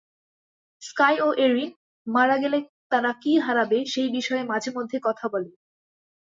Sky ও Erin, মারা গেলে তারা কী হারাবে, সেই বিষয়ে মাঝেমধ্যে কথা বলে।